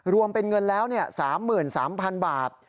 รวมเป็นเงินแล้ว๓๓๐๐๐บาท